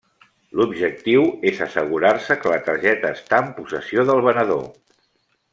L'objectiu és assegurar-se que la targeta està en possessió del venedor.